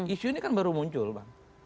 isu ini kan baru muncul bang